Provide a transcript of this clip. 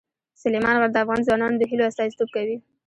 سلیمان غر د افغان ځوانانو د هیلو استازیتوب کوي.